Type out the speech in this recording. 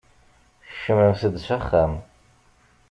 Kecmemt-d s axxam.